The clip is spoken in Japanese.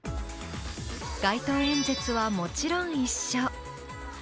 街頭演説はもちろん一緒。